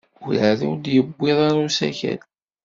Werɛad ur d-yewwiḍ ara usakal.